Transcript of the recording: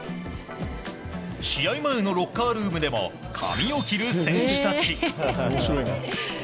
試合前のロッカールームでも髪を切る選手たち。